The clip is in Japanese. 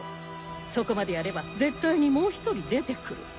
そこまでやれば絶対にもう１人出てくる。